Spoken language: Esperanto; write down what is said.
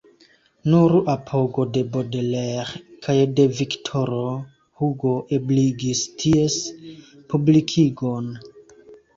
Nur apogo de Baudelaire kaj de Viktoro Hugo ebligis ties publikigon.